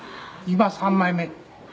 「今三枚目」